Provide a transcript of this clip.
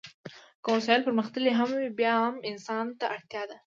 که وسایل پرمختللي هم وي بیا هم انسان ته اړتیا ده.